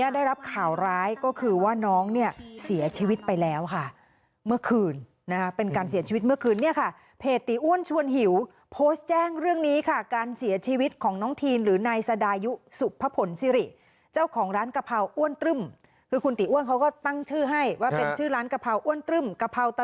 ได้แค่๑เดือนเท่านั้นเองคุณผู้ชมคะ